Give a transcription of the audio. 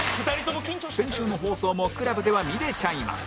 先週の放送も ＣＬＵＢ では見れちゃいます